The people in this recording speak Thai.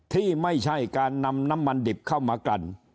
ที่ไม่ใช่การนำน้ำมันดิบเข้ามากัน